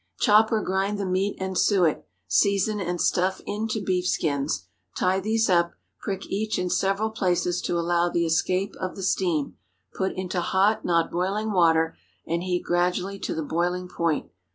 Chop or grind the meat and suet; season, and stuff into beef skins; tie these up; prick each in several places to allow the escape of the steam; put into hot—not boiling water, and heat gradually to the boiling point.